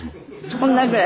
そんなぐらい？